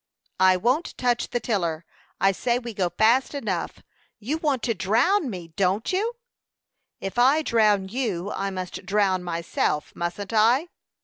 "I won't touch the tiller; I say we go fast enough. You want to drown me don't you?" "If I drown you, I must drown myself mustn't I?"